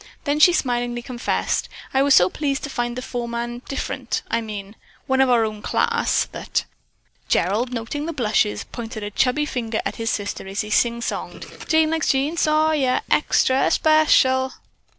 Then she smilingly confessed: "I was so pleased to find the foreman different I mean one of our own class that " Gerald, noting the blushes, pointed a chubby finger at his sister as he sing songed: "Jane likes Jean Sawyer extra special."